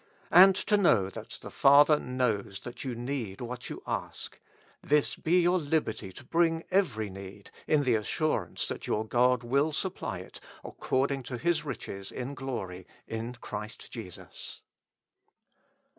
And to know that the Father knows that you need what you ask ; this be your liberty to 29 With Christ in the School of Prayer. bring every need, in the assurance that your God will supply it according to His riches in glory in Christ Jesus.